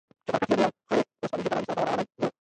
چپرکټ يې له يوې خړې وسپنيزې دروازې سره درولى و.